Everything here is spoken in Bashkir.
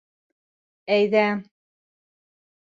Әйҙә...